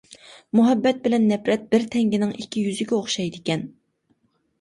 مۇھەببەت بىلەن نەپرەت بىر تەڭگىنىڭ ئىككى يۈزىگە ئوخشايدىكەن.